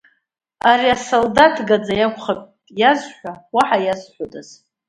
Ари асолдаҭ гаӡа иакәхап иазҳәа, уаҳа иазҳәодаз.